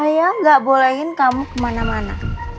ayah gak bolehin kamu kemana mana